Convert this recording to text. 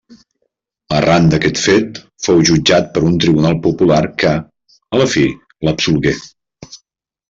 Arran d'aquest fet, fou jutjat per un tribunal popular que, a la fi, l'absolgué.